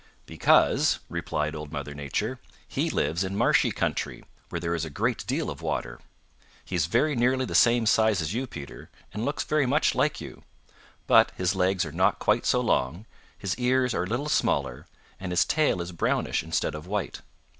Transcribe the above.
"Because," replied Old Mother Nature, "he lives in marshy country where there is a great deal of water. He is very nearly the same size as you, Peter, and looks very much like you. But his legs are not quite so long, his ears are a little smaller, and his tail is brownish instead of white.